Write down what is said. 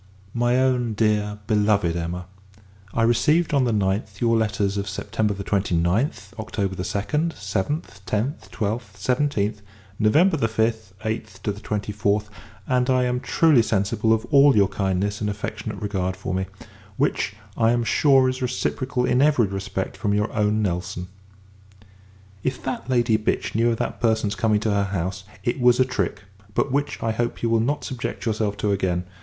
MY OWN DEAR BELOVED EMMA, I received, on the 9th, your letters of September 29th, October 2, 7, 10, 12, 17th, November 5th, 8th, to the 24th: and I am truly sensible of all your kindness and affectionate regard for me; which, I am sure, is reciprocal, in every respect, from your own Nelson. If that Lady Bitch knew of that person's coming to her house, it was a trick; but which, I hope, you will not subject yourself to again.